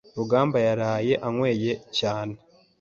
Rugamba yaraye anyweye cyane.